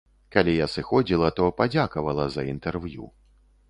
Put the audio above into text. Калі я сыходзіла, то падзякавала за інтэрв'ю.